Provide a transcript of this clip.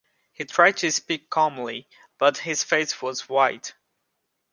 He tried to speak calmly, but his face was white.